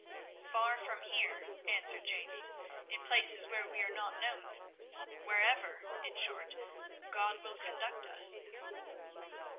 "Far from here," answered James; "in places where we are not known. Wherever, in short, God will conduct us."